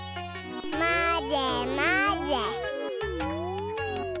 まぜまぜ。